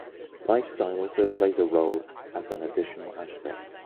Lifestyle also plays a role as an additional aspect.